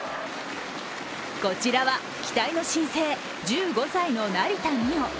こちらは期待の新星１５歳の成田実生。